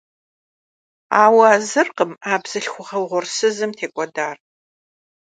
Ауэ а зыркъым а бзылъхугьэ угъурсызым текӏуэдар.